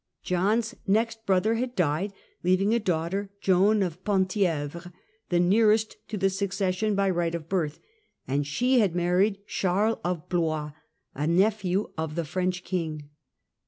John's next brother had died leaving a daughter, Joan of Penthievre, the nearest to the succession by right of birth, and she had married Charles of Blois, a nephew of the French King.